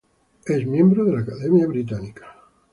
Es miembro de la Academia Británica.